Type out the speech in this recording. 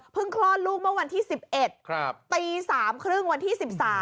คลอดลูกเมื่อวันที่๑๑ตี๓๓๐วันที่๑๓